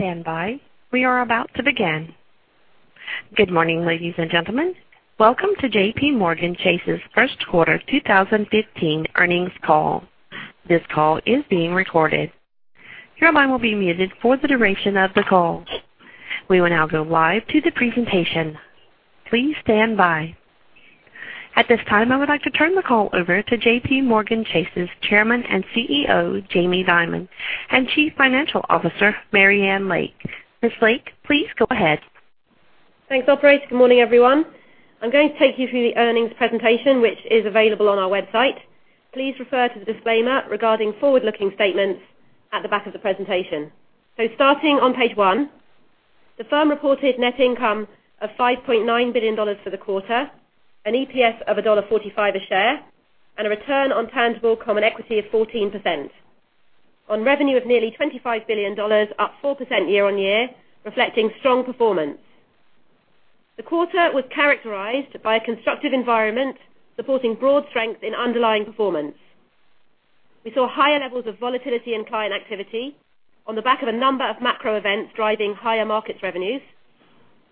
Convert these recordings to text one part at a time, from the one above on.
Please stand by. We are about to begin. Good morning, ladies and gentlemen. Welcome to JPMorgan Chase's first quarter 2015 earnings call. This call is being recorded. Your line will be muted for the duration of the call. We will now go live to the presentation. Please stand by. At this time, I would like to turn the call over to JPMorgan Chase's Chairman and CEO, Jamie Dimon, and Chief Financial Officer, Marianne Lake. Ms. Lake, please go ahead. Thanks, operator. Good morning, everyone. I'm going to take you through the earnings presentation, which is available on our website. Please refer to the disclaimer regarding forward-looking statements at the back of the presentation. Starting on page one, the firm reported net income of $5.9 billion for the quarter, an EPS of $1.45 a share, and a return on tangible common equity of 14%, on revenue of nearly $25 billion, up 4% year-on-year, reflecting strong performance. The quarter was characterized by a constructive environment supporting broad strength in underlying performance. We saw higher levels of volatility in client activity on the back of a number of macro events driving higher markets revenues.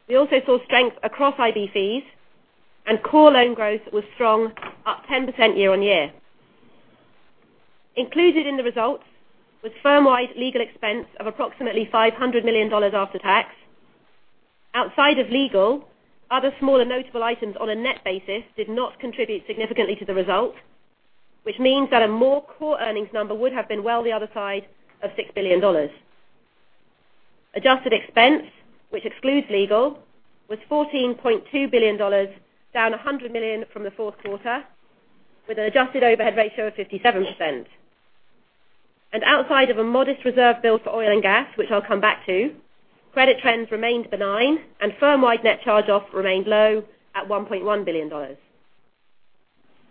We also saw strength across IB fees, and core loan growth was strong, up 10% year-on-year. Included in the results was firm-wide legal expense of approximately $500 million after tax. Outside of legal, other smaller notable items on a net basis did not contribute significantly to the result, which means that a more core earnings number would have been well the other side of $6 billion. Adjusted expense, which excludes legal, was $14.2 billion, down $100 million from the fourth quarter, with an adjusted overhead ratio of 57%. Outside of a modest reserve build for oil and gas, which I'll come back to, credit trends remained benign and firm-wide net charge-off remained low at $1.1 billion.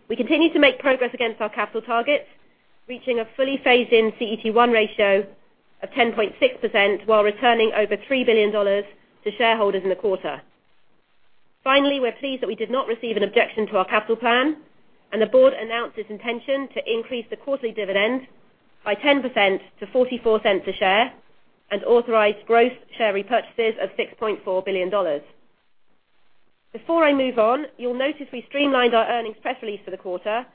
We continue to make progress against our capital targets, reaching a fully phased-in CET1 ratio of 10.6% while returning over $3 billion to shareholders in the quarter. Finally, we're pleased that we did not receive an objection to our capital plan, and the board announced its intention to increase the quarterly dividend by 10% to $0.44 a share and authorized gross share repurchases of $6.4 billion. Before I move on, you'll notice we streamlined our earnings press release for the quarter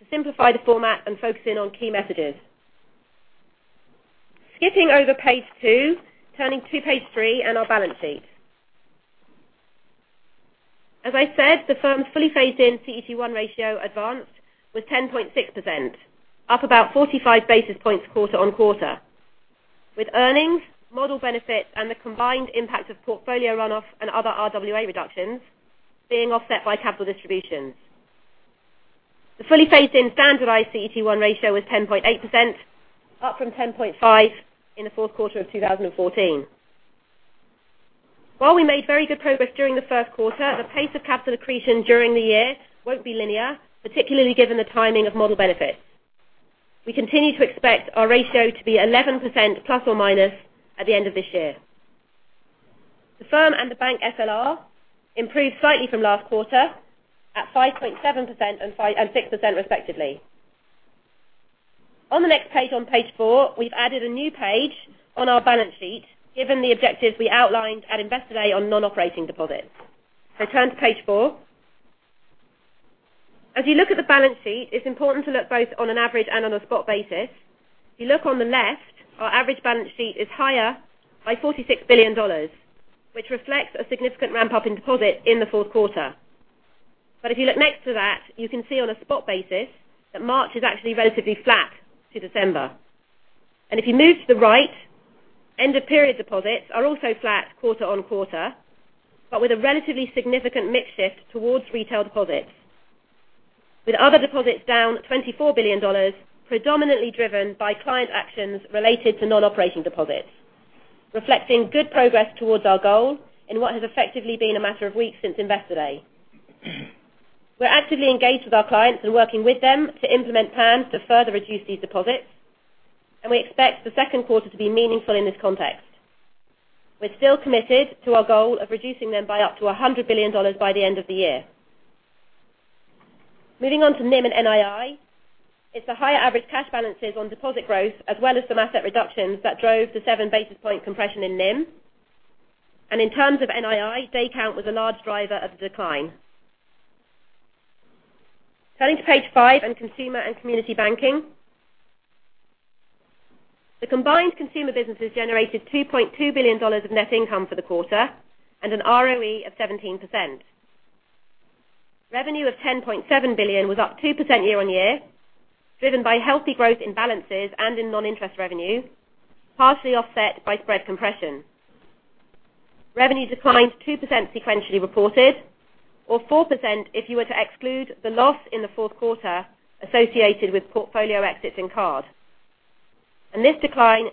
to simplify the format and focus in on key messages. Skipping over page two, turning to page three and our balance sheet. As I said, the firm's fully phased-in CET1 ratio advanced was 10.6%, up about 45 basis points quarter-on-quarter, with earnings, model benefits, and the combined impact of portfolio runoff and other RWA reductions being offset by capital distributions. The fully phased-in standardized CET1 ratio was 10.8%, up from 10.5 in the fourth quarter of 2014. While we made very good progress during the first quarter, the pace of capital accretion during the year won't be linear, particularly given the timing of model benefits. We continue to expect our ratio to be 11% ± at the end of this year. The firm and the bank SLR improved slightly from last quarter at 5.7% and 6% respectively. On the next page, on page four, we've added a new page on our balance sheet, given the objectives we outlined at Investor Day on non-operating deposits. Turn to page four. As you look at the balance sheet, it's important to look both on an average and on a spot basis. If you look on the left, our average balance sheet is higher by $46 billion, which reflects a significant ramp-up in deposit in the fourth quarter. If you look next to that, you can see on a spot basis that March is actually relatively flat to December. If you move to the right, end-of-period deposits are also flat quarter-over-quarter, but with a relatively significant mix shift towards retail deposits. With other deposits down $24 billion, predominantly driven by client actions related to non-operating deposits, reflecting good progress towards our goal in what has effectively been a matter of weeks since Investor Day. We're actively engaged with our clients and working with them to implement plans to further reduce these deposits, and we expect the second quarter to be meaningful in this context. We're still committed to our goal of reducing them by up to $100 billion by the end of the year. Moving on to NIM and NII. It's the higher average cash balances on deposit growth as well as some asset reductions that drove the seven basis point compression in NIM. In terms of NII, day count was a large driver of the decline. Turning to page five on Consumer & Community Banking. The combined consumer businesses generated $2.2 billion of net income for the quarter and an ROE of 17%. Revenue of $10.7 billion was up 2% year-over-year, driven by healthy growth in balances and in non-interest revenue, partially offset by spread compression. Revenue declined 2% sequentially reported, or 4% if you were to exclude the loss in the fourth quarter associated with portfolio exits in cards. This decline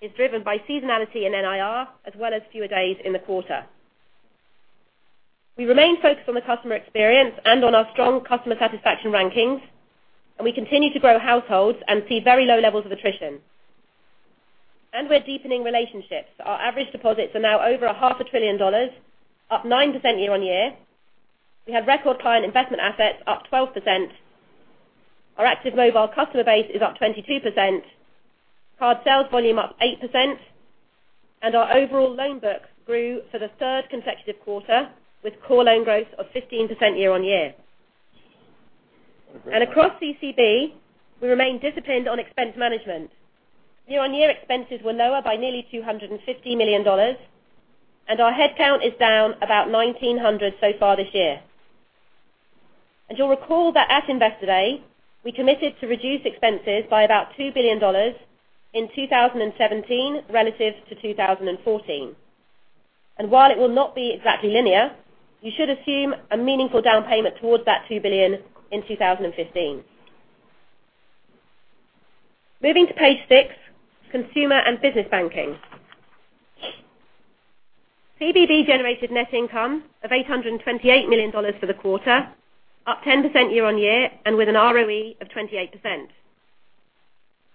is driven by seasonality in NIR as well as fewer days in the quarter. We remain focused on the customer experience and on our strong customer satisfaction rankings, and we continue to grow households and see very low levels of attrition. We're deepening relationships. Our average deposits are now over a half a trillion dollars, up 9% year-over-year. We have record client investment assets up 12%. Our active mobile customer base is up 22%, card sales volume up 8%, and our overall loan book grew for the third consecutive quarter, with core loan growth of 15% year-over-year. That's great. Across CCB, we remain disciplined on expense management. Year-on-year expenses were lower by nearly $250 million, and our head count is down about 1,900 so far this year. You'll recall that at Investor Day, we committed to reduce expenses by about $2 billion in 2017, relative to 2014. While it will not be exactly linear, you should assume a meaningful down payment towards that $2 billion in 2015. Moving to page six, Consumer & Business Banking. CBB generated net income of $828 million for the quarter, up 10% year-on-year, and with an ROE of 28%.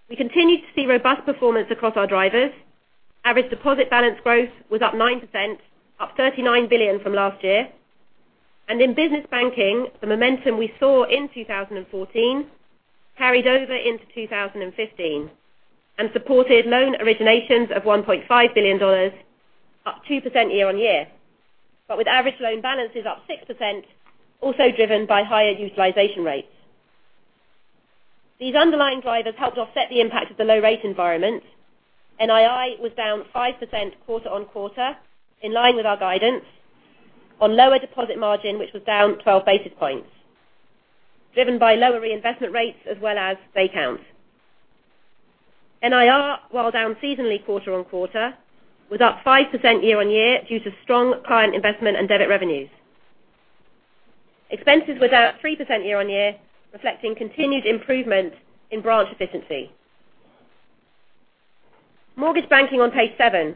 We continued to see robust performance across our drivers. Average deposit balance growth was up 9%, up $39 billion from last year. In business banking, the momentum we saw in 2014 carried over into 2015 and supported loan originations of $1.5 billion, up 2% year-on-year. With average loan balances up 6%, also driven by higher utilization rates. These underlying drivers helped offset the impact of the low rate environment. NII was down 5% quarter-on-quarter, in line with our guidance on lower deposit margin, which was down 12 basis points. Driven by lower reinvestment rates as well as day counts. NIR, while down seasonally quarter-on-quarter, was up 5% year-on-year due to strong client investment and debit revenues. Expenses were down 3% year-on-year, reflecting continued improvement in branch efficiency. Mortgage banking on page seven.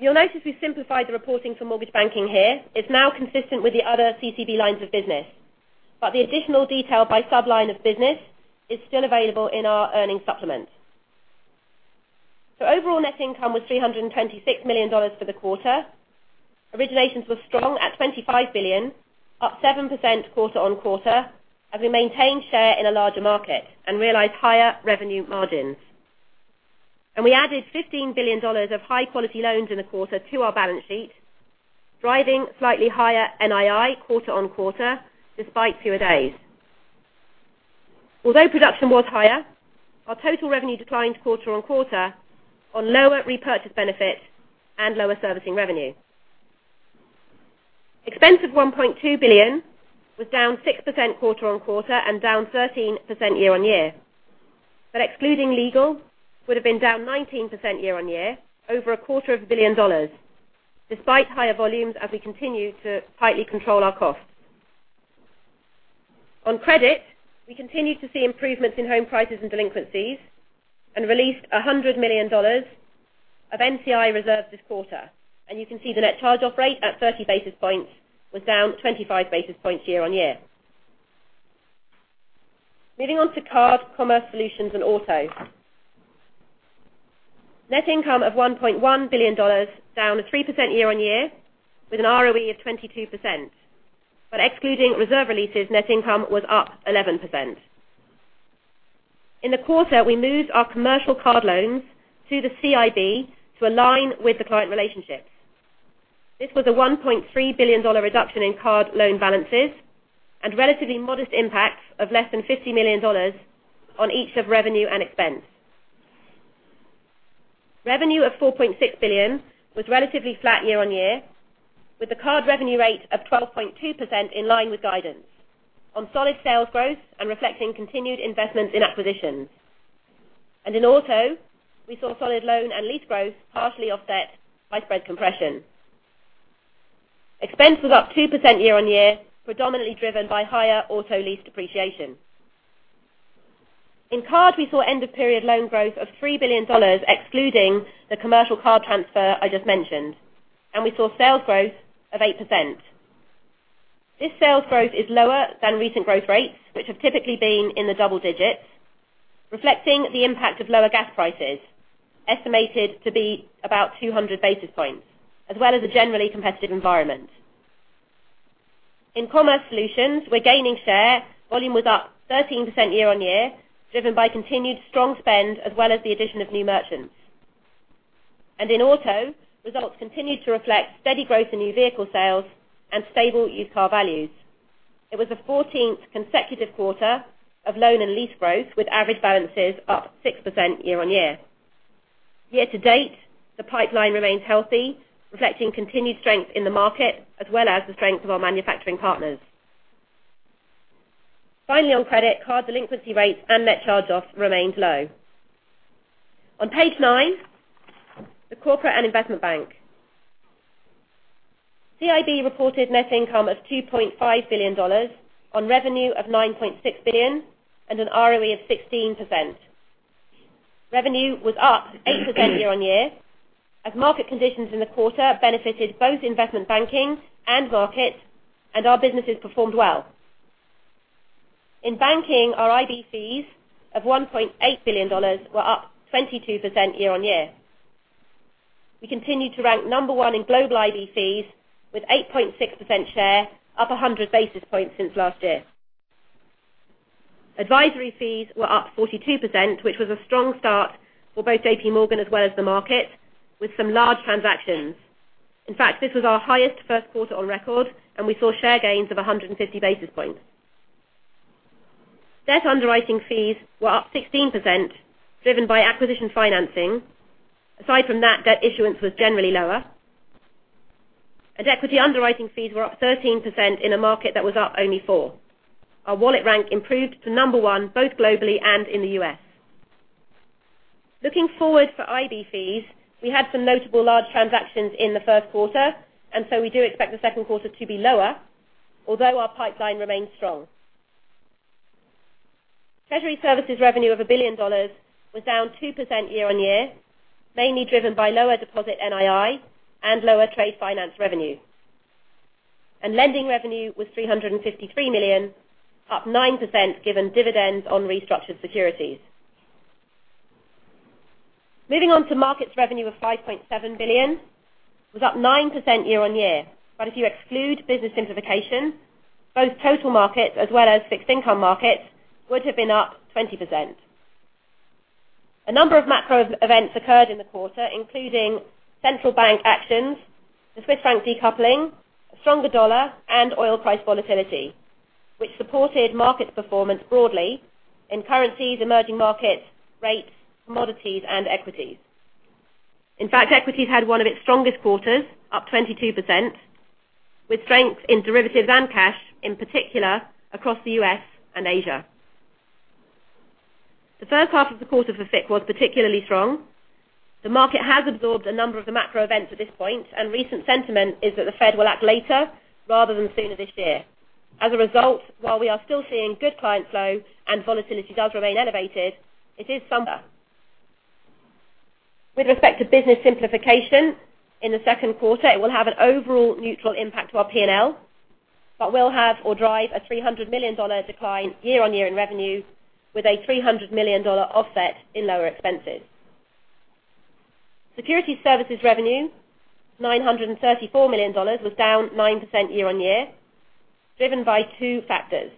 You'll notice we've simplified the reporting for mortgage banking here. It's now consistent with the other CCB lines of business, but the additional detail by sub-line of business is still available in our earnings supplement. Overall net income was $326 million for the quarter. Originations were strong at $25 billion, up 7% quarter-on-quarter, as we maintained share in a larger market and realized higher revenue margins. We added $15 billion of high-quality loans in the quarter to our balance sheet, driving slightly higher NII quarter-on-quarter, despite fewer days. Although production was higher, our total revenue declined quarter-on-quarter on lower repurchase benefits and lower servicing revenue. Expense of $1.2 billion was down 6% quarter-on-quarter and down 13% year-on-year. Excluding legal, would have been down 19% year-on-year, over a quarter of a billion dollars, despite higher volumes as we continue to tightly control our costs. On credit, we continued to see improvements in home prices and delinquencies and released $100 million of NCI reserves this quarter. You can see the net charge-off rate at 30 basis points was down 25 basis points year-on-year. Moving on to card, commerce, solutions, and auto. Net income of $1.1 billion, down 3% year-on-year, with an ROE of 22%. Excluding reserve releases, net income was up 11%. In the quarter, we moved our commercial card loans to the CIB to align with the client relationships. This was a $1.3 billion reduction in card loan balances and relatively modest impacts of less than $50 million on each of revenue and expense. Revenue of $4.6 billion was relatively flat year-on-year, with the card revenue rate of 12.2% in line with guidance on solid sales growth and reflecting continued investments in acquisitions. In auto, we saw solid loan and lease growth partially offset by spread compression. Expense was up 2% year-on-year, predominantly driven by higher auto lease depreciation. In card, we saw end of period loan growth of $3 billion, excluding the commercial card transfer I just mentioned. We saw sales growth of 8%. This sales growth is lower than recent growth rates, which have typically been in the double digits, reflecting the impact of lower gas prices, estimated to be about 200 basis points, as well as a generally competitive environment. In Commerce Solutions, we're gaining share. Volume was up 13% year-on-year, driven by continued strong spend as well as the addition of new merchants. In auto, results continued to reflect steady growth in new vehicle sales and stable used car values. It was the 14th consecutive quarter of loan and lease growth, with average balances up 6% year-on-year. Year-to-date, the pipeline remains healthy, reflecting continued strength in the market as well as the strength of our manufacturing partners. Finally, on credit, card delinquency rates and net charge-offs remained low. On page nine, the Corporate & Investment Bank. CIB reported net income of $2.5 billion on revenue of $9.6 billion and an ROE of 16%. Revenue was up 8% year-on-year as market conditions in the quarter benefited both investment banking and Markets, and our businesses performed well. In banking, our IB fees of $1.8 billion were up 22% year-on-year. We continued to rank number 1 in global IB fees with 8.6% share, up 100 basis points since last year. Advisory fees were up 42%, which was a strong start for both JPMorgan as well as the market, with some large transactions. In fact, this was our highest first quarter on record. We saw share gains of 150 basis points. Debt underwriting fees were up 16%, driven by acquisition financing. Aside from that, debt issuance was generally lower. Equity underwriting fees were up 13% in a market that was up only four. Our wallet rank improved to number 1, both globally and in the U.S. Looking forward for IB fees, we had some notable large transactions in the first quarter, so we do expect the second quarter to be lower, although our pipeline remains strong. Treasury Services revenue of $1 billion was down 2% year-on-year, mainly driven by lower deposit NII and lower trade finance revenue. Lending revenue was $353 million, up 9% given dividends on restructured securities. Moving on to Markets revenue of $5.7 billion, was up 9% year-on-year. If you exclude business simplification, both total markets as well as fixed income markets would have been up 20%. A number of macro events occurred in the quarter, including central bank actions, the Swiss franc decoupling, a stronger dollar, and oil price volatility, which supported markets performance broadly in currencies, emerging markets, rates, commodities, and equities. In fact, equities had one of its strongest quarters, up 22%, with strength in derivatives and cash, in particular across the U.S. and Asia. The first half of the quarter for FIC was particularly strong. The market has absorbed a number of the macro events at this point, and recent sentiment is that the Fed will act later rather than sooner this year. As a result, while we are still seeing good client flow and volatility does remain elevated, it is summer. With respect to business simplification, in the second quarter, it will have an overall neutral impact to our P&L, but will have or drive a $300 million decline year-on-year in revenue, with a $300 million offset in lower expenses. Securities Services revenue, $934 million, was down 9% year-on-year, driven by two factors.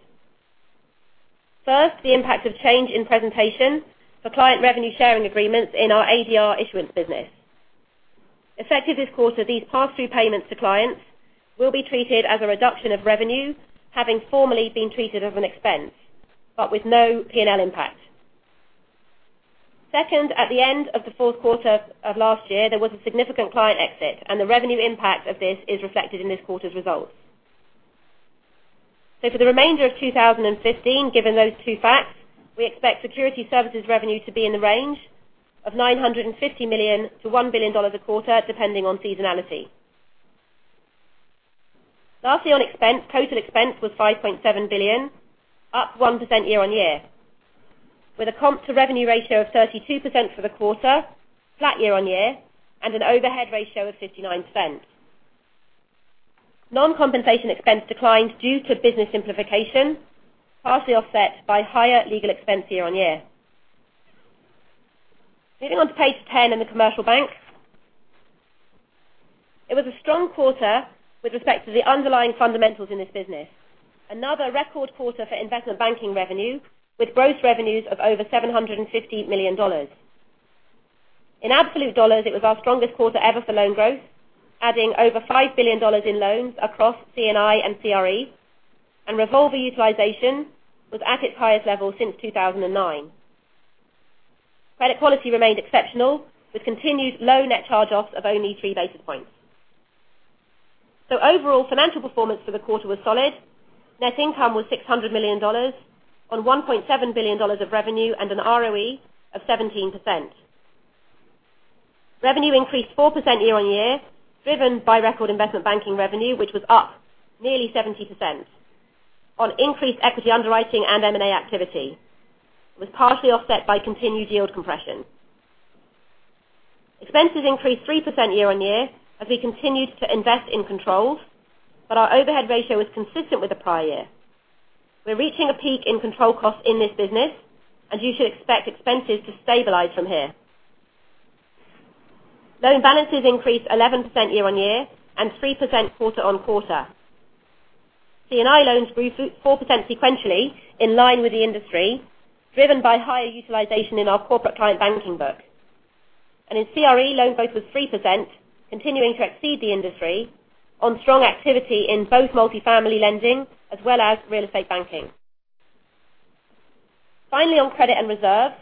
First, the impact of change in presentation for client revenue sharing agreements in our ADR issuance business. Effective this quarter, these pass-through payments to clients will be treated as a reduction of revenue, having formerly been treated as an expense, but with no P&L impact. Second, at the end of the fourth quarter of last year, there was a significant client exit, and the revenue impact of this is reflected in this quarter's results. For the remainder of 2015, given those two facts, we expect security services revenue to be in the range of $950 million to $1 billion a quarter, depending on seasonality. Lastly, on expense, total expense was $5.7 billion, up 1% year-on-year, with a comp to revenue ratio of 32% for the quarter, flat year-on-year, and an overhead ratio of $0.59. Non-compensation expense declined due to business simplification, partially offset by higher legal expense year-on-year. Moving on to page 10 in the commercial bank. It was a strong quarter with respect to the underlying fundamentals in this business. Another record quarter for investment banking revenue, with gross revenues of over $750 million. In absolute dollars, it was our strongest quarter ever for loan growth, adding over $5 billion in loans across C&I and CRE, and revolver utilization was at its highest level since 2009. Credit quality remained exceptional with continued low net charge-offs of only three basis points. Overall, financial performance for the quarter was solid. Net income was $600 million on $1.7 billion of revenue and an ROE of 17%. Revenue increased 4% year-on-year, driven by record investment banking revenue, which was up nearly 70% on increased equity underwriting and M&A activity. It was partially offset by continued yield compression. Expenses increased 3% year-on-year as we continued to invest in controls, our overhead ratio was consistent with the prior year. We're reaching a peak in control costs in this business, and you should expect expenses to stabilize from here. Loan balances increased 11% year-on-year and 3% quarter-on-quarter. C&I loans grew 4% sequentially, in line with the industry, driven by higher utilization in our corporate client banking book. In CRE, loan growth was 3%, continuing to exceed the industry on strong activity in both multifamily lending as well as real estate banking. Finally, on credit and reserve.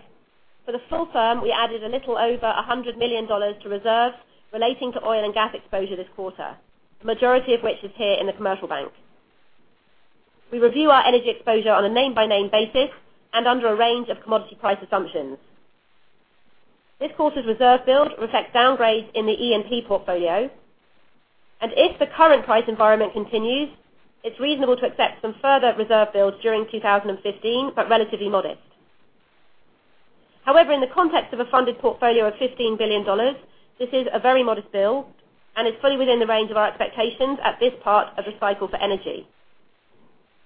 For the full term, we added a little over $100 million to reserve relating to oil and gas exposure this quarter, the majority of which is here in the Commercial Bank. We review our energy exposure on a name-by-name basis and under a range of commodity price assumptions. This quarter's reserve build reflects downgrades in the E&P portfolio. If the current price environment continues, it's reasonable to expect some further reserve builds during 2015, but relatively modest. However, in the context of a funded portfolio of $15 billion, this is a very modest build, it's fully within the range of our expectations at this part of the cycle for energy.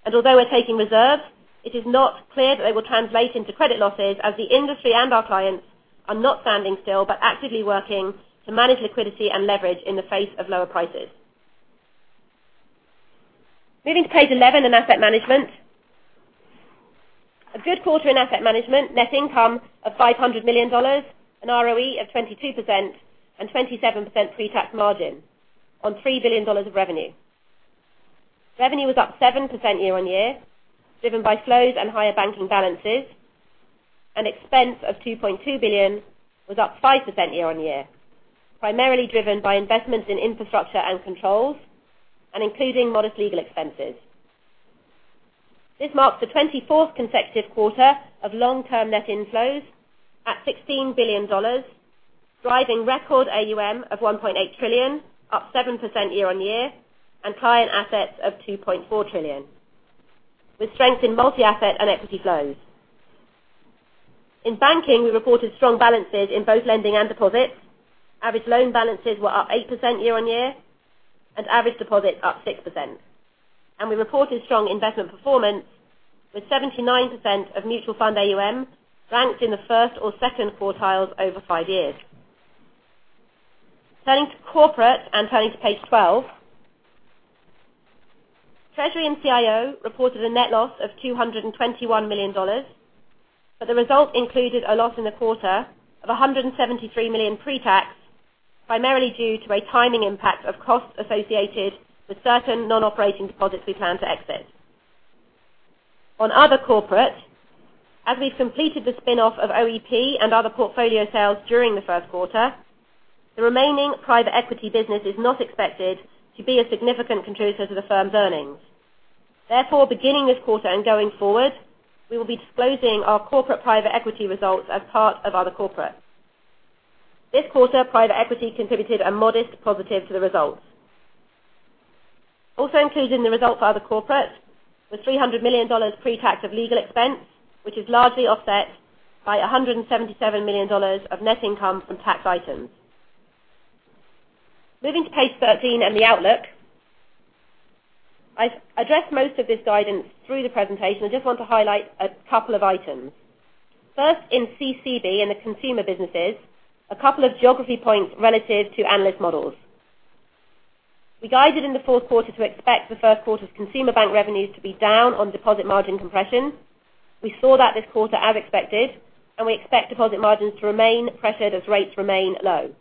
Although we're taking reserves, it is not clear that they will translate into credit losses as the industry and our clients are not standing still, but actively working to manage liquidity and leverage in the face of lower prices. Moving to page 11 in Asset Management. A good quarter in Asset Management. Net income of $500 million, an ROE of 22% and 27% pre-tax margin on $3 billion of revenue. Revenue was up 7% year-on-year, driven by flows and higher banking balances. Expense of $2.2 billion was up 5% year-on-year, primarily driven by investments in infrastructure and controls, including modest legal expenses. This marks the 24th consecutive quarter of long-term net inflows at $16 billion, driving record AUM of $1.8 trillion, up 7% year-on-year. Client assets of $2.4 trillion, with strength in multi-asset and equity flows. In Banking, we reported strong balances in both lending and deposits. Average loan balances were up 8% year-on-year. Average deposits up 6%. We reported strong investment performance, with 79% of mutual fund AUM ranked in the first or second quartiles over five years. Turning to corporate and turning to page 12. Treasury and CIO reported a net loss of $221 million, the result included a loss in the quarter of $173 million pre-tax, primarily due to a timing impact of costs associated with certain non-operating deposits we plan to exit. On Other Corporate, as we've completed the spin-off of OEP and other portfolio sales during the first quarter, the remaining private equity business is not expected to be a significant contributor to the firm's earnings. Therefore, beginning this quarter and going forward, we will be disclosing our Corporate Private Equity results as part of Other Corporate. This quarter, Private Equity contributed a modest positive to the results. Also included in the results are the $300 million pre-tax of legal expense, which is largely offset by $177 million of net income from tax items. Moving to page 13 and the outlook. I've addressed most of this guidance through the presentation. I just want to highlight a couple of items. First, in CCB, in the Consumer Businesses, a couple of geography points relative to analyst models. We guided in the fourth quarter to expect the first quarter's consumer bank revenues to be down on deposit margin compression. We saw that this quarter as expected, and we expect deposit margins to remain pressured as rates remain low.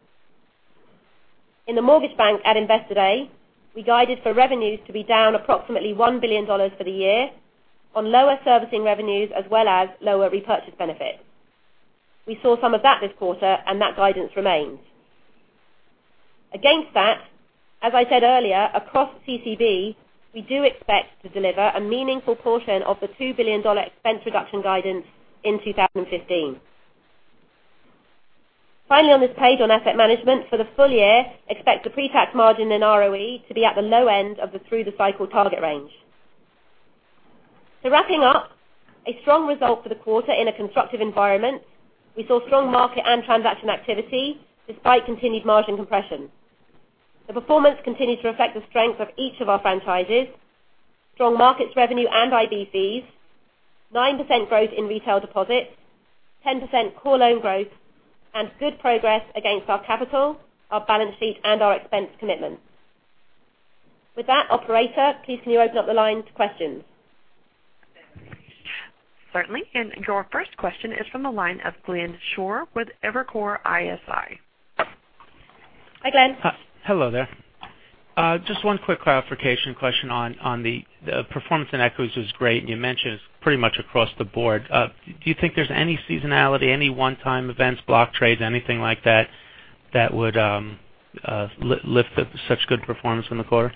In the mortgage bank at Investor Day, we guided for revenues to be down approximately $1 billion for the year on lower servicing revenues, as well as lower repurchase benefits. We saw some of that this quarter, and that guidance remains. Against that, as I said earlier, across CCB, we do expect to deliver a meaningful portion of the $2 billion expense reduction guidance in 2015. Finally on this page on asset management, for the full year, expect the pre-tax margin and ROE to be at the low end of the through the cycle target range. Wrapping up, a strong result for the quarter in a constructive environment. We saw strong market and transaction activity despite continued margin compression. The performance continues to reflect the strength of each of our franchises, strong markets revenue and IB fees, 9% growth in retail deposits, 10% core loan growth, and good progress against our capital, our balance sheet, and our expense commitments. With that, operator, please can you open up the line to questions? Certainly. Your first question is from the line of Glenn Schorr with Evercore ISI. Hi, Glenn. Hello there. Just one quick clarification question on the performance in equities was great, and you mentioned it's pretty much across the board. Do you think there's any seasonality, any one-time events, block trades, anything like that would lift such good performance from the quarter?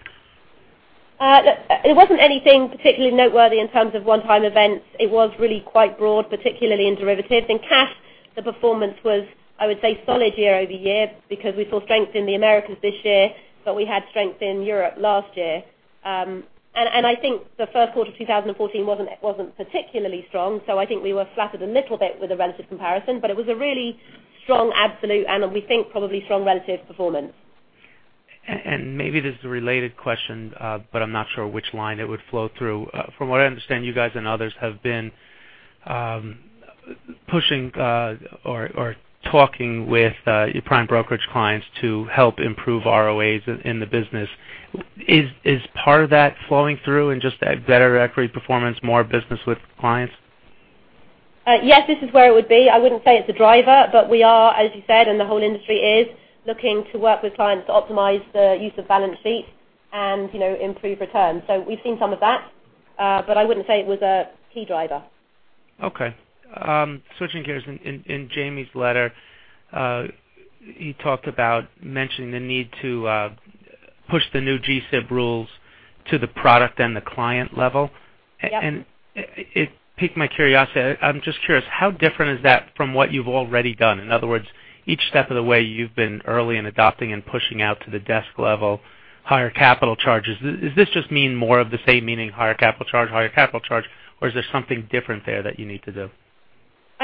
It wasn't anything particularly noteworthy in terms of one-time events. It was really quite broad, particularly in derivatives. In cash, the performance was, I would say, solid year-over-year, because we saw strength in the Americas this year, but we had strength in Europe last year. I think the first quarter 2014 wasn't particularly strong, so I think we were flattered a little bit with a relative comparison, but it was a really strong absolute, and we think probably strong relative performance. Maybe this is a related question, but I'm not sure which line it would flow through. From what I understand, you guys and others have been pushing, or talking with your prime brokerage clients to help improve ROAs in the business. Is part of that flowing through in just that better equity performance, more business with clients? Yes, this is where it would be. I wouldn't say it's a driver, but we are, as you said, and the whole industry is looking to work with clients to optimize the use of balance sheets and improve returns. We've seen some of that, but I wouldn't say it was a key driver. Okay. Switching gears, in Jamie's letter, he talked about mentioning the need to push the new G-SIB rules to the product and the client level. Yep. It piqued my curiosity. I'm just curious, how different is that from what you've already done? In other words, each step of the way, you've been early in adopting and pushing out to the desk level Higher capital charges. Does this just mean more of the same, meaning higher capital charge, or is there something different there that you need to do?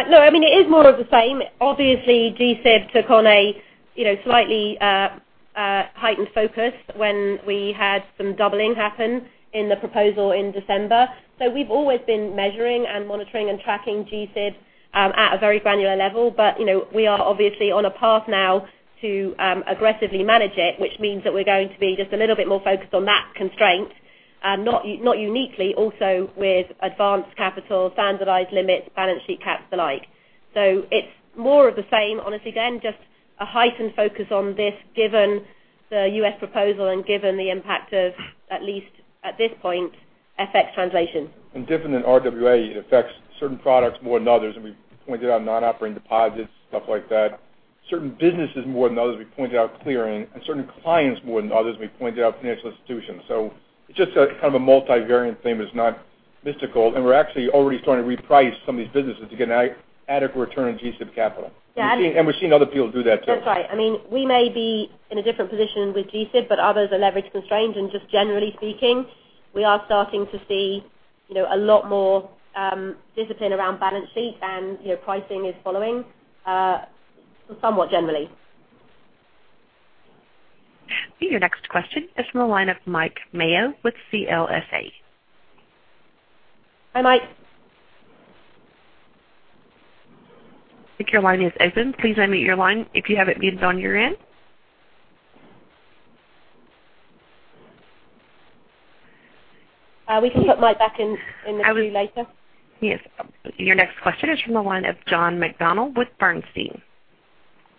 No, it is more of the same. Obviously, G-SIB took on a slightly heightened focus when we had some doubling happen in the proposal in December. We've always been measuring and monitoring and tracking G-SIB at a very granular level. We are obviously on a path now to aggressively manage it, which means that we're going to be just a little bit more focused on that constraint. Not uniquely, also with advanced capital, standardized limits, balance sheet caps, the like. It's more of the same. Honestly, again, just a heightened focus on this given the U.S. proposal and given the impact of, at least at this point, FX translation. Different than RWA, it affects certain products more than others. We pointed out non-operating deposits, stuff like that. Certain businesses more than others. We pointed out clearing. Certain clients more than others. We pointed out financial institutions. It's just a kind of a multivariate thing that's not mystical. We're actually already starting to reprice some of these businesses to get an adequate return in G-SIB capital. Yeah. We've seen other people do that too. That's right. We may be in a different position with G-SIB, others are leverage constrained. Just generally speaking, we are starting to see a lot more discipline around balance sheet and pricing is following, somewhat generally. Your next question is from the line of Mike Mayo with CLSA. Hi, Mike. I think your line is open. Please unmute your line if you have it muted on your end. We can put Mike back in the queue later. Yes. Your next question is from the line of John McDonald with Bernstein.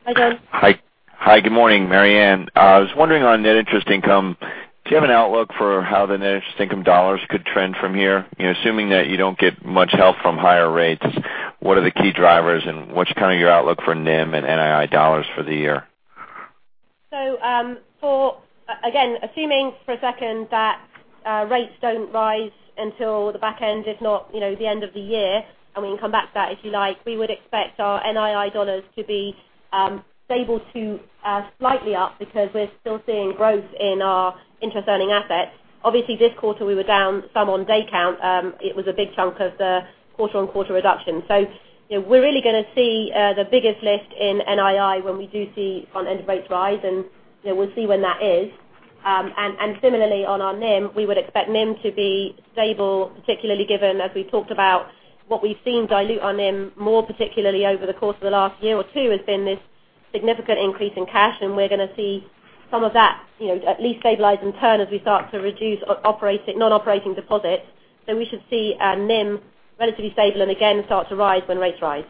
Hi, John. Hi. Good morning, Marianne. I was wondering on net interest income, do you have an outlook for how the net interest income dollars could trend from here? Assuming that you don't get much help from higher rates, what are the key drivers and what's kind of your outlook for NIM and NII dollars for the year? For, again, assuming for a second that rates don't rise until the back end, if not the end of the year, and we can come back to that if you like. We would expect our NII dollars to be stable to slightly up because we're still seeing growth in our interest earning assets. Obviously, this quarter we were down some on day count. It was a big chunk of the quarter-on-quarter reduction. We're really going to see the biggest lift in NII when we do see front end rates rise, and we'll see when that is. Similarly, on our NIM, we would expect NIM to be stable, particularly given, as we talked about, what we've seen dilute our NIM more particularly over the course of the last year or two has been this significant increase in cash, and we're going to see some of that at least stabilize and turn as we start to reduce non-operating deposits. We should see NIM relatively stable and again, start to rise when rates rise.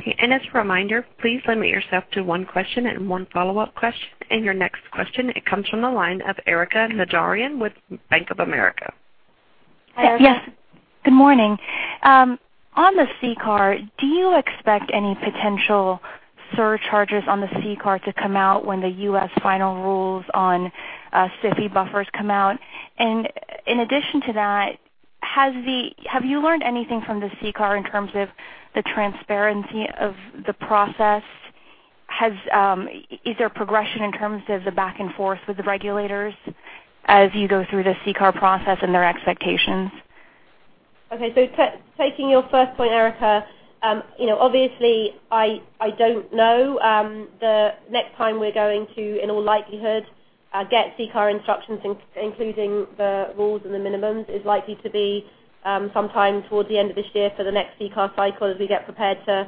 Okay. As a reminder, please limit yourself to one question and one follow-up question. Your next question, it comes from the line of Erika Najarian with Bank of America. Hi, Erika. Yes. Good morning. On the CCAR, do you expect any potential surcharges on the CCAR to come out when the U.S. final rules on SIFI buffers come out? In addition to that, have you learned anything from the CCAR in terms of the transparency of the process? Is there progression in terms of the back and forth with the regulators as you go through the CCAR process and their expectations? Okay. Taking your first point, Erika, obviously I don't know. The next time we're going to, in all likelihood, get CCAR instructions including the rules and the minimums is likely to be sometime towards the end of this year for the next CCAR cycle as we get prepared to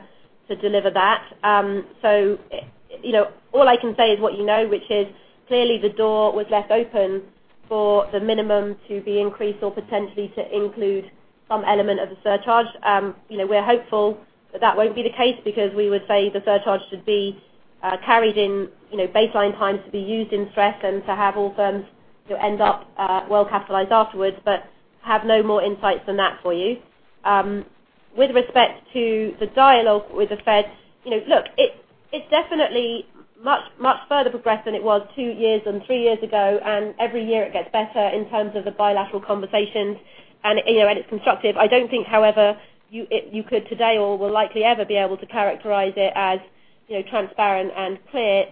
deliver that. All I can say is what you know, which is clearly the door was left open for the minimum to be increased or potentially to include some element of the surcharge. We're hopeful that that won't be the case because we would say the surcharge should be carried in baseline times to be used in stress and to have all firms end up well capitalized afterwards, but have no more insight than that for you. With respect to the dialogue with the Fed, look, it's definitely much further progressed than it was two years and three years ago, every year it gets better in terms of the bilateral conversations, and it's constructive. I don't think, however, you could today or will likely ever be able to characterize it as transparent and clear.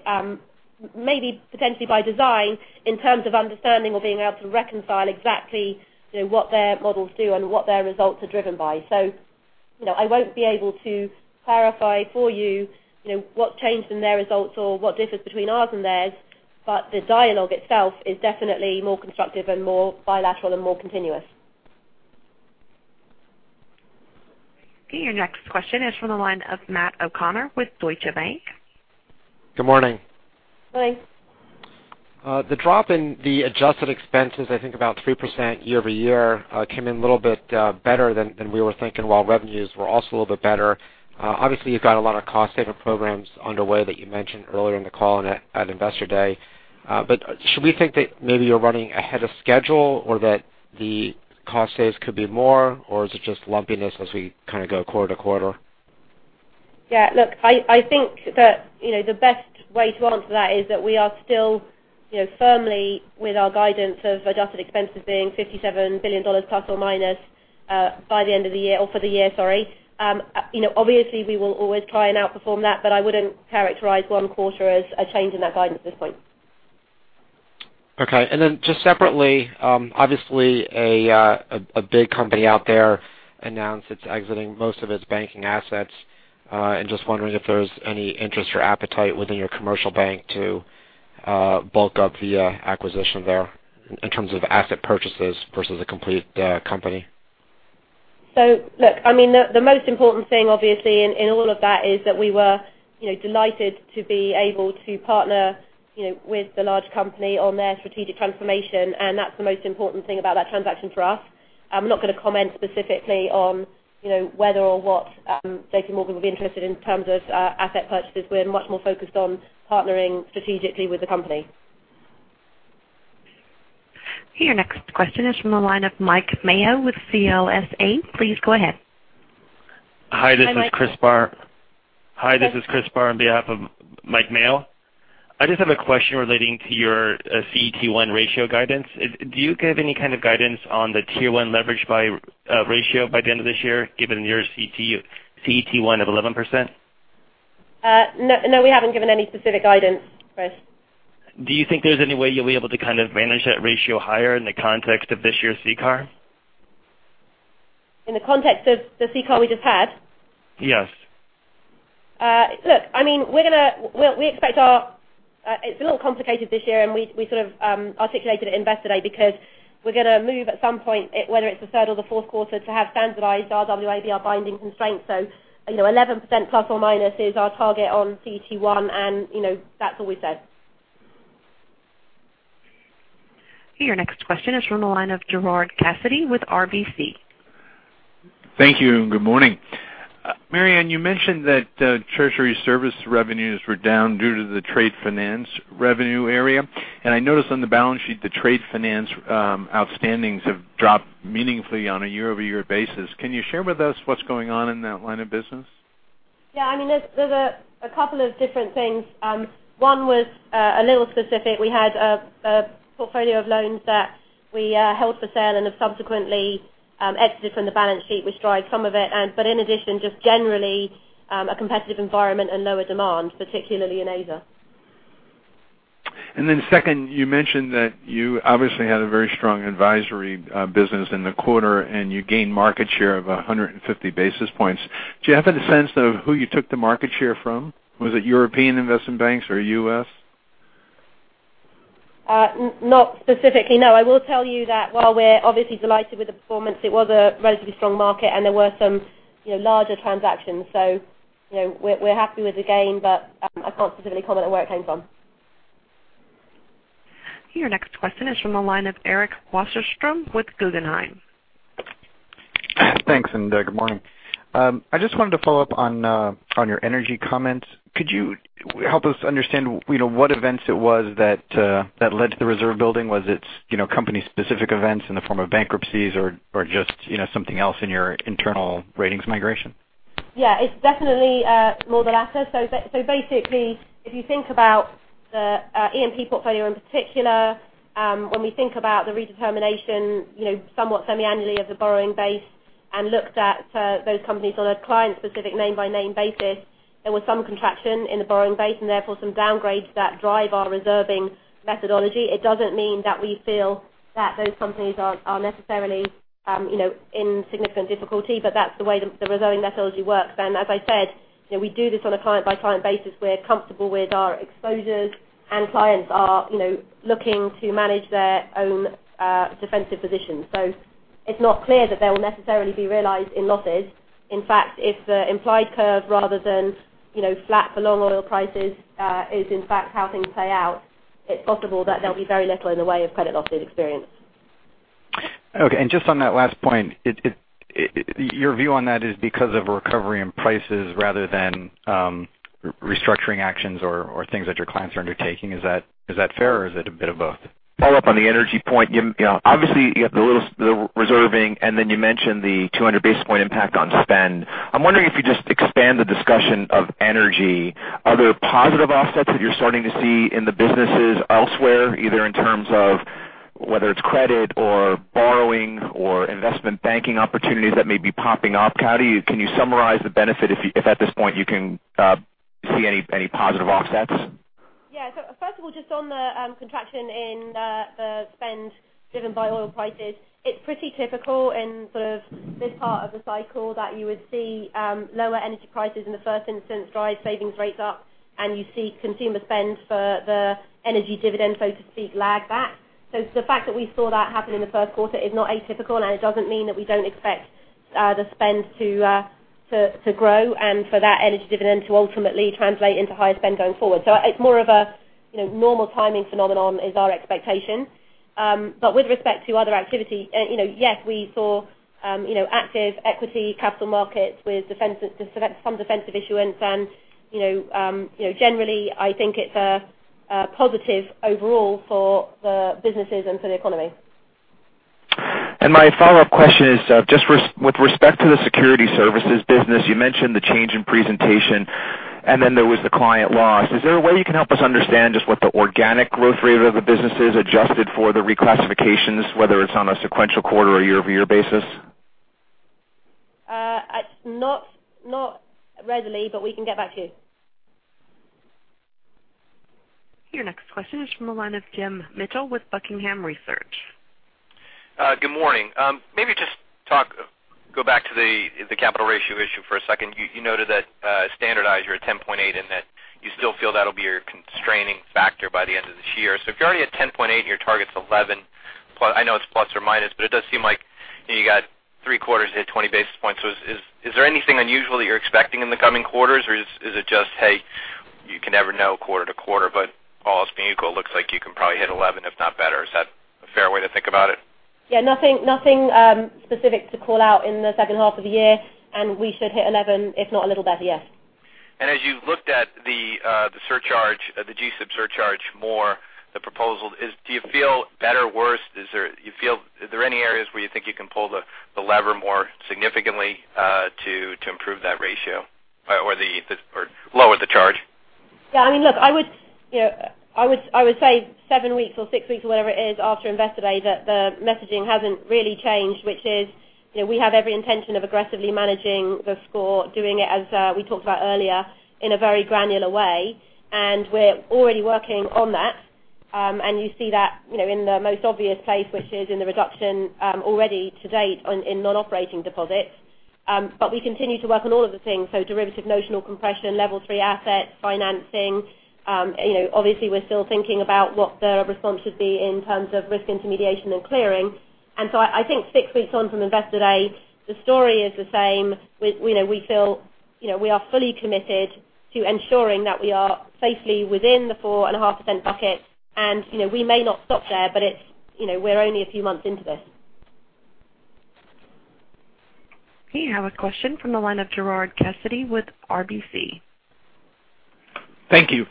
Maybe potentially by design in terms of understanding or being able to reconcile exactly what their models do and what their results are driven by. I won't be able to clarify for you what changed in their results or what differs between ours and theirs. The dialogue itself is definitely more constructive and more bilateral and more continuous. Okay, your next question is from the line of Matt O'Connor with Deutsche Bank. Good morning. Morning. The drop in the adjusted expenses, I think about 3% year-over-year, came in a little bit better than we were thinking, while revenues were also a little bit better. Obviously, you've got a lot of cost saving programs underway that you mentioned earlier in the call and at Investor Day. Should we think that maybe you're running ahead of schedule or that the cost saves could be more, or is it just lumpiness as we kind of go quarter-to-quarter? I think that the best way to answer that is that we are still firmly with our guidance of adjusted expenses being $57 billion ± by the end of the year or for the year, sorry. Obviously, we will always try and outperform that, I wouldn't characterize one quarter as a change in that guidance at this point. Just separately, obviously a big company out there announced it's exiting most of its banking assets. I'm just wondering if there's any interest or appetite within your Commercial Bank to bulk up via acquisition there in terms of asset purchases versus a complete company. The most important thing obviously in all of that is that we were delighted to be able to partner with the large company on their strategic transformation, that's the most important thing about that transaction for us. I'm not going to comment specifically on whether or what JPMorgan will be interested in in terms of asset purchases. We're much more focused on partnering strategically with the company. Your next question is from the line of Mike Mayo with CLSA. Please go ahead. Hi, this is Chris Spahr. Hi, Mike. Hi, this is Chris Spahr on behalf of Mike Mayo. I just have a question relating to your CET1 ratio guidance. Do you give any kind of guidance on the Tier 1 leverage ratio by the end of this year, given your CET1 of 11%? No, we haven't given any specific guidance, Chris. Do you think there's any way you'll be able to manage that ratio higher in the context of this year's CCAR? In the context of the CCAR we just had? Yes. Look, it's a little complicated this year, and we sort of articulated it in Investor Day because we're going to move at some point, whether it's the third or the fourth quarter, to have standardized RWA be our binding constraint. 11% ± is our target on CET1, and that's all we've said. Your next question is from the line of Gerard Cassidy with RBC. Thank you, and good morning. Marianne, you mentioned that Treasury Services revenues were down due to the trade finance revenue area, and I noticed on the balance sheet the trade finance outstandings have dropped meaningfully on a year-over-year basis. Can you share with us what's going on in that line of business? Yeah, there's a couple of different things. One was a little specific. We had a portfolio of loans that we held for sale and have subsequently exited from the balance sheet. We striked some of it, in addition, just generally, a competitive environment and lower demand, particularly in Asia. Second, you mentioned that you obviously had a very strong advisory business in the quarter, and you gained market share of 150 basis points. Do you have any sense of who you took the market share from? Was it European investment banks or U.S.? Not specifically, no. I will tell you that while we're obviously delighted with the performance, it was a relatively strong market, and there were some larger transactions. We're happy with the gain, but I can't specifically comment on where it came from. Your next question is from the line of Eric Wasserstrom with Guggenheim. Thanks. Good morning. I just wanted to follow up on your energy comments. Could you help us understand what events it was that led to the reserve building? Was it company-specific events in the form of bankruptcies or just something else in your internal ratings migration? Yeah, it's definitely more the latter. Basically, if you think about the E&P portfolio in particular, when we think about the redetermination, somewhat semiannually of the borrowing base and looked at those companies on a client-specific name-by-name basis, there was some contraction in the borrowing base and therefore some downgrades that drive our reserving methodology. It doesn't mean that we feel that those companies are necessarily in significant difficulty. That's the way the reserving methodology works. As I said, we do this on a client-by-client basis. We're comfortable with our exposures, and clients are looking to manage their own defensive position. It's not clear that they will necessarily be realized in losses. In fact, if the implied curve rather than flat for long oil prices is in fact how things play out, it's possible that there'll be very little in the way of credit losses experienced. Okay. Just on that last point, your view on that is because of recovery in prices rather than restructuring actions or things that your clients are undertaking. Is that fair, or is it a bit of both? Follow up on the energy point. Obviously, you have the reserving, and then you mentioned the 200 basis points impact on spend. I'm wondering if you just expand the discussion of energy. Are there positive offsets that you're starting to see in the businesses elsewhere, either in terms of whether it's credit or borrowing or investment banking opportunities that may be popping up? Can you summarize the benefit if at this point you can see any positive offsets? Yeah. First of all, just on the contraction in the spend driven by oil prices, it's pretty typical in this part of the cycle that you would see lower energy prices in the first instance drive savings rates up, and you see consumer spend for the energy dividend, so to speak, lag that. The fact that we saw that happen in the first quarter is not atypical, and it doesn't mean that we don't expect the spend to grow and for that energy dividend to ultimately translate into higher spend going forward. It's more of a normal timing phenomenon is our expectation. With respect to other activity, yes, we saw active equity capital markets with some defensive issuance, and generally, I think it's a positive overall for the businesses and for the economy. My follow-up question is just with respect to the security services business, you mentioned the change in presentation, and then there was the client loss. Is there a way you can help us understand just what the organic growth rate of the business is adjusted for the reclassifications, whether it's on a sequential quarter or year-over-year basis? Not readily, but we can get back to you. Your next question is from the line of Jim Mitchell with Buckingham Research. Good morning. Maybe just go back to the capital ratio issue for a second. You noted that standardized at 10.8 and that you still feel that'll be your constraining factor by the end of this year. If you're already at 10.8 and your target's 11, I know it's plus or minus, but it does seem like you got three quarters to hit 20 basis points. Is there anything unusual that you're expecting in the coming quarters, or is it just, hey, you can never know quarter to quarter, but all else being equal, looks like you can probably hit 11 if not better. Is that a fair way to think about it? Yeah, nothing specific to call out in the second half of the year, we should hit 11, if not a little better, yes. As you looked at the surcharge, the G-SIB surcharge more, the proposal, do you feel better or worse? Are there any areas where you think you can pull the lever more significantly, to improve that ratio or lower the charge? Yeah. Look, I would say seven weeks or six weeks or whatever it is after Investor Day, the messaging hasn't really changed, which is we have every intention of aggressively managing the score, doing it as we talked about earlier, in a very granular way, and we're already working on that. You see that in the most obvious place, which is in the reduction already to date in non-operating deposits. We continue to work on all of the things, so derivative notional compression, level 3 assets, financing. Obviously, we're still thinking about what the response should be in terms of risk intermediation and clearing. I think six weeks on from Investor Day, the story is the same. We feel we are fully committed to ensuring that we are safely within the 4.5% bucket. We may not stop there, we're only a few months into this. Okay, you have a question from the line of Gerard Cassidy with RBC. Thank you.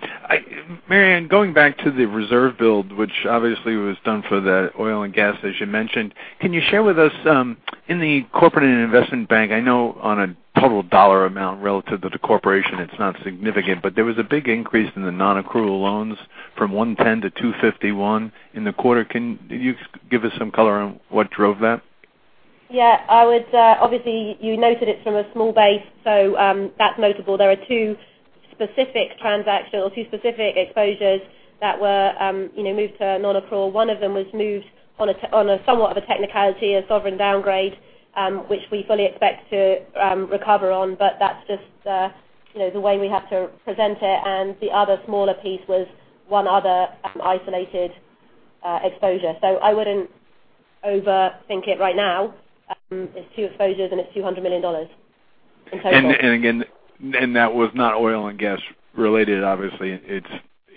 Marianne, going back to the reserve build, which obviously was done for the oil and gas, as you mentioned, can you share with us, in the Corporate & Investment Bank, I know on a total dollar amount relative to the corporation, it's not significant, but there was a big increase in the non-accrual loans from $110 to $251 in the quarter. Can you give us some color on what drove that? Yeah. Obviously, you noted it's from a small base, that's notable. There are two specific transactions or two specific exposures that were moved to non-accrual. One of them was moved on a somewhat of a technicality, a sovereign downgrade, which we fully expect to recover on, that's just the way we have to present it. The other smaller piece was one other isolated exposure. I wouldn't overthink it right now. It's two exposures, it's $200 million in total. Again, that was not oil and gas related, obviously. It's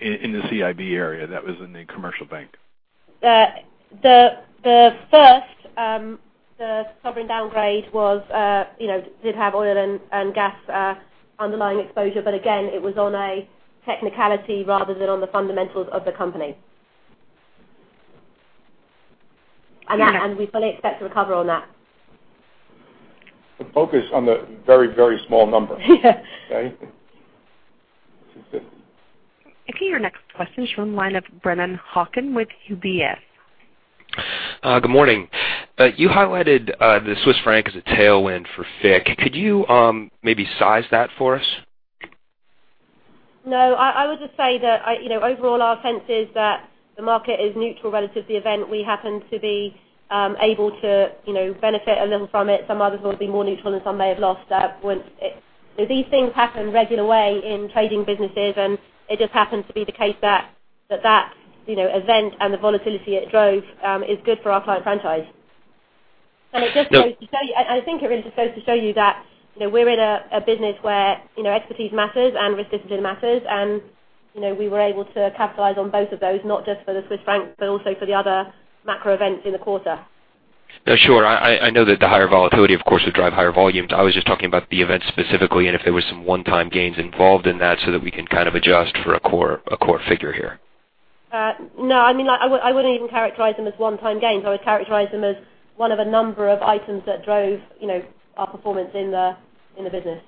in the CIB area. That was in the commercial bank. The first, the sovereign downgrade did have oil and gas underlying exposure. Again, it was on a technicality rather than on the fundamentals of the company. We fully expect to recover on that. The focus on the very, very small number. Yeah. Okay? Okay. Your next question is from the line of Brennan Hawken with UBS. Good morning. You highlighted the Swiss franc as a tailwind for FIC. Could you maybe size that for us? No, I would just say that overall our sense is that the market is neutral relative to the event. We happen to be able to benefit a little from it. Some others will be more neutral, and some may have lost. These things happen regular way in trading businesses, and it just happens to be the case that that event and the volatility it drove is good for our client franchise. I think it really just goes to show you that we're in a business where expertise matters and risk discipline matters, and we were able to capitalize on both of those, not just for the Swiss franc, but also for the other macro events in the quarter. Sure. I know that the higher volatility, of course, would drive higher volumes. I was just talking about the event specifically and if there was some one-time gains involved in that so that we can kind of adjust for a core figure here. No. I wouldn't even characterize them as one-time gains. I would characterize them as one of a number of items that drove our performance in the business.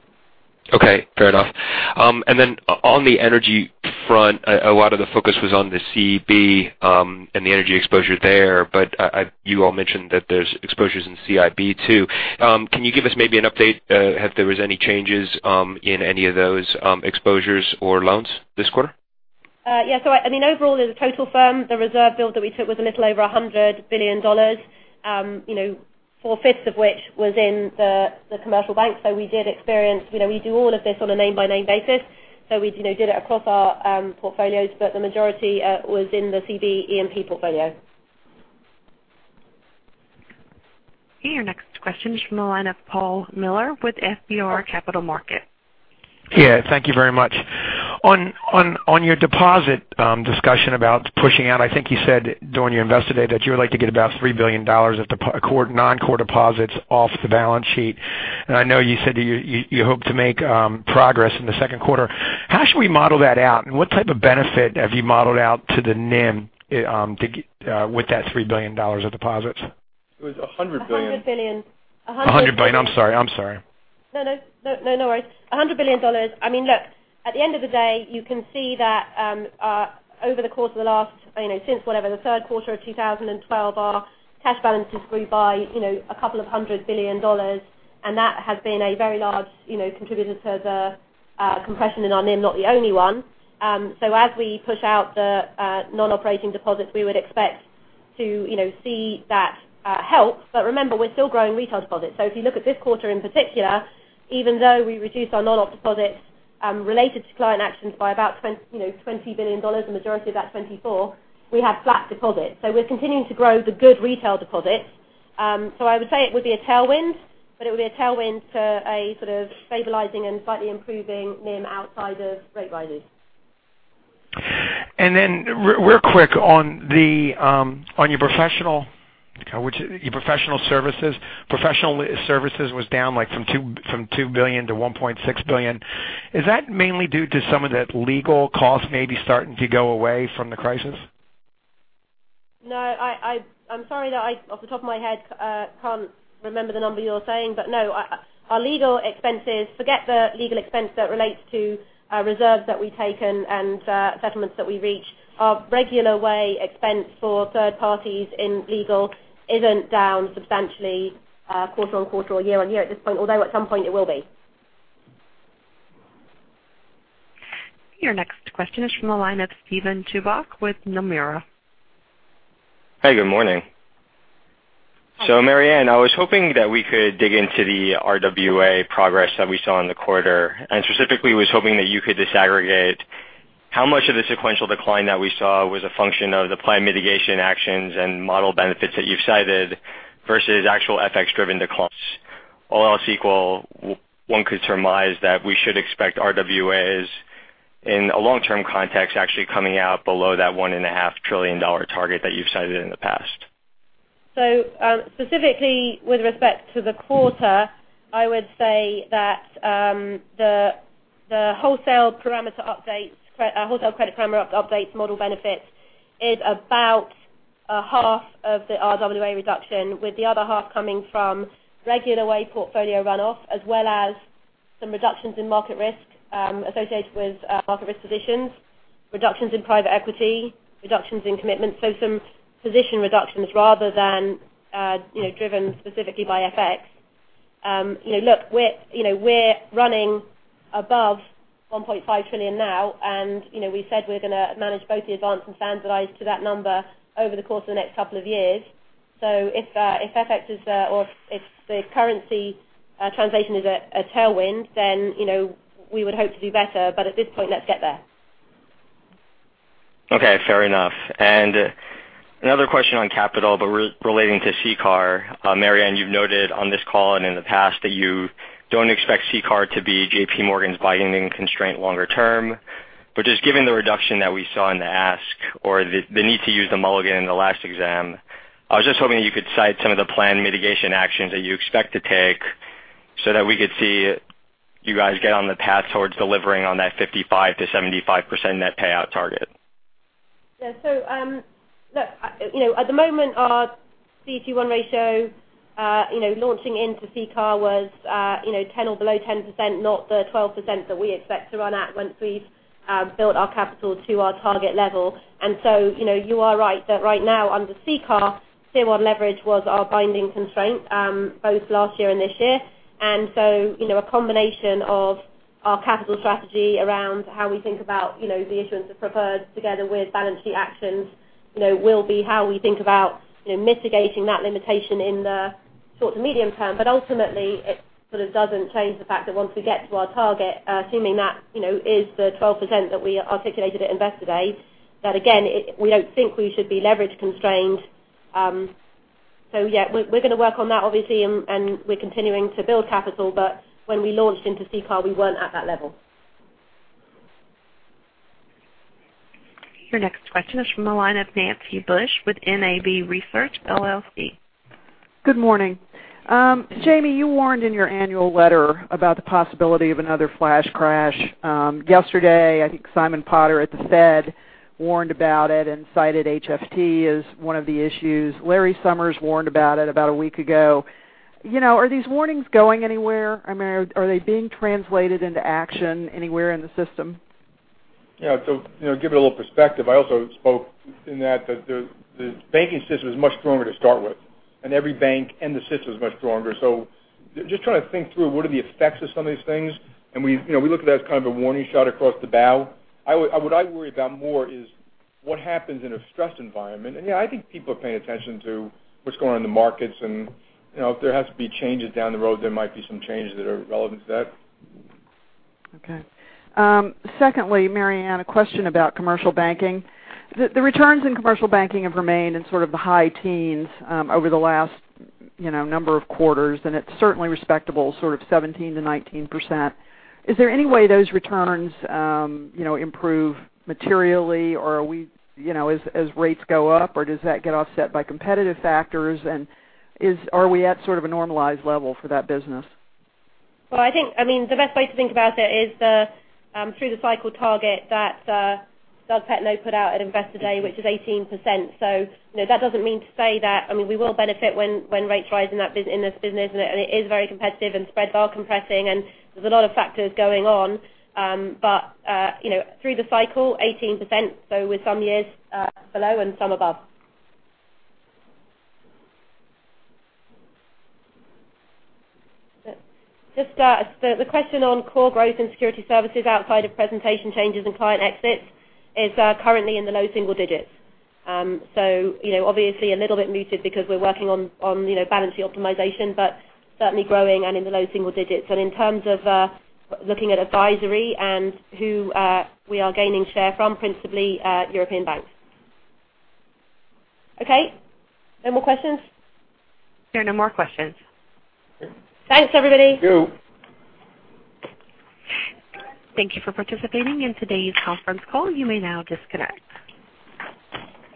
Okay. Fair enough. On the energy front, a lot of the focus was on the CB, and the energy exposure there. You all mentioned that there's exposures in CIB too. Can you give us maybe an update if there was any changes in any of those exposures or loans this quarter? Yeah. Overall as a total firm, the reserve build that we took was a little over $100 billion, four-fifths of which was in the commercial bank. We do all of this on a name-by-name basis, so we did it across our portfolios, but the majority was in the CB E&P portfolio. Okay, your next question is from the line of Paul Miller with FBR Capital Markets. Yeah. Thank you very much. On your deposit discussion about pushing out, I think you said during your Investor Day that you would like to get about $3 billion of non-core deposits off the balance sheet. I know you said that you hope to make progress in the second quarter. How should we model that out? What type of benefit have you modeled out to the NIM with that $3 billion of deposits? It was $100 billion. $100 billion. $100 billion. I'm sorry. No worries. $100 billion. Look, at the end of the day, you can see that over the course of the last, since whatever, the third quarter of 2012, our cash balances grew by $200 billion, and that has been a very large contributor to the compression in our NIM, not the only one. As we push out the non-operating deposits, we would expect to see that help. Remember, we're still growing retail deposits. If you look at this quarter in particular, even though we reduced our non-op deposits related to client actions by about $20 billion, the majority of that, $24 billion, we have flat deposits. I would say it would be a tailwind, but it would be a tailwind to a sort of stabilizing and slightly improving NIM outside of rate rises. Real quick on your professional services. Professional services was down from $2 billion to $1.6 billion. Is that mainly due to some of that legal costs maybe starting to go away from the crisis? I'm sorry that off the top of my head, I can't remember the number you're saying, but no. Our legal expenses, forget the legal expense that relates to reserves that we've taken and settlements that we reached. Our regular way expense for third parties in legal isn't down substantially quarter-over-quarter or year-over-year at this point, although at some point it will be. Your next question is from the line of Steven Chubak with Nomura. Hey, good morning. Hi. Marianne, I was hoping that we could dig into the RWA progress that we saw in the quarter, and specifically was hoping that you could disaggregate how much of the sequential decline that we saw was a function of the planned mitigation actions and model benefits that you've cited versus actual FX driven declines. All else equal, one could surmise that we should expect RWAs in a long-term context, actually coming out below that $1.5 trillion target that you've cited in the past. Specifically with respect to the quarter, I would say that the wholesale credit parameter updates model benefits is about half of the RWA reduction, with the other half coming from regular way portfolio runoff, as well as some reductions in market risk associated with market risk positions, reductions in private equity, reductions in commitments. Some position reductions rather than driven specifically by FX. Look, we're running above $1.5 trillion now, and we said we're going to manage both the advance and standardized to that number over the course of the next couple of years. If FX is or if the currency translation is a tailwind, then we would hope to do better. At this point, let's get there. Okay, fair enough. Another question on capital, but relating to CCAR. Marianne, you've noted on this call and in the past that you don't expect CCAR to be JPMorgan's binding constraint longer term. Just given the reduction that we saw in the ask or the need to use the mulligan in the last exam, I was just hoping that you could cite some of the planned mitigation actions that you expect to take so that we could see you guys get on the path towards delivering on that 55%-75% net payout target. Look, at the moment, our CET1 ratio launching into CCAR was 10 or below 10%, not the 12% that we expect to run at once we've built our capital to our target level. You are right that right now under CCAR, CET1 leverage was our binding constraint both last year and this year. A combination of our capital strategy around how we think about the issuance of preferred together with balance sheet actions will be how we think about mitigating that limitation in the short to medium term. Ultimately, it sort of doesn't change the fact that once we get to our target, assuming that is the 12% that we articulated at Investor Day, that again, we don't think we should be leverage constrained. Yeah, we're going to work on that obviously, and we're continuing to build capital, when we launched into CCAR, we weren't at that level. Your next question is from the line of Nancy Bush with NAB Research LLC. Good morning. Jamie, you warned in your annual letter about the possibility of another flash crash. Yesterday, I think Simon Potter at the Fed warned about it and cited HFT as one of the issues. Larry Summers warned about it about a week ago. Are these warnings going anywhere? Are they being translated into action anywhere in the system? Yeah. To give it a little perspective, I also spoke in that the banking system is much stronger to start with, and every bank and the system is much stronger. Just trying to think through what are the effects of some of these things. We look at that as kind of a warning shot across the bow. What I worry about more is what happens in a stress environment. Yeah, I think people are paying attention to what's going on in the markets, and if there has to be changes down the road, there might be some changes that are relevant to that. Okay. Secondly, Marianne, a question about commercial banking. The returns in commercial banking have remained in sort of the high teens over the last number of quarters, and it is certainly respectable, sort of 17%-19%. Is there any way those returns improve materially as rates go up? Does that get offset by competitive factors? Are we at sort of a normalized level for that business? Well, I think the best way to think about it is through the cycle target that Doug Petno put out at Investor Day, which is 18%. That doesn't mean to say that We will benefit when rates rise in this business, and it is very competitive and spreads are compressing, and there's a lot of factors going on. Through the cycle, 18%, so with some years below and some above. Just the question on core growth in security services outside of presentation changes and client exits is currently in the low single digits. Obviously a little bit muted because we're working on balance sheet optimization, but certainly growing and in the low single digits. In terms of looking at advisory and who we are gaining share from, principally European banks. Okay. No more questions? There are no more questions. Thanks, everybody. Thank you. Thank you for participating in today's conference call. You may now disconnect.